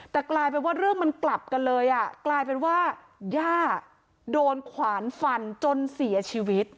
แต่กลายเป็นว่าเรื่องมันกลับกันเลยอ่ะกลายเป็นว่าย่าโดนขวานฟันจนเสียชีวิต